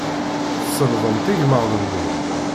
Tselḍemt igmaḍ-nni.